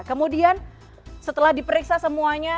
kemudian setelah diperiksa semuanya